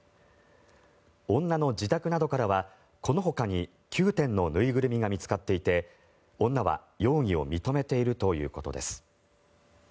女の自宅などからはこのほかに９点の縫いぐるみが見つかっていて女は容疑を認めているということです。